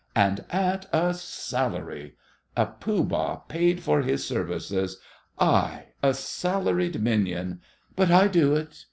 And at a salary! A Pooh Bah paid for his services! I a salaried minion! But I do it!